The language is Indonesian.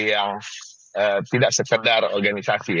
yang tidak sekedar organisasi